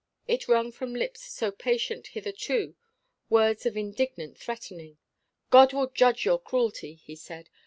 It wrung from lips so patient hitherto words of indignant threatening. "God will judge your cruelty," he said.